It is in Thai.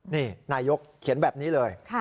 นี่นายกเขียนแบบนี้เลย